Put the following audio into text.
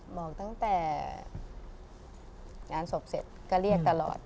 บอกตั้งแต่งานศพเสร็จก็เรียกตลอด